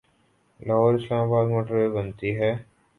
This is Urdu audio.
Lahore Islamabad motorway بنتی ہے۔